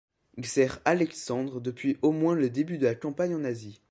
Il sert Alexandre depuis au moins le début de la campagne en Asie.